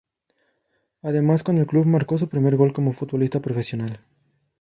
Además con el club marcó su primer gol como futbolista profesional.